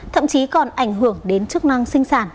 thậm chí còn ảnh hưởng đến chức năng sinh sản